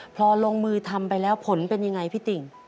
พอลงมือทำไปแล้วผลเป็นยังไงพี่ติ่ง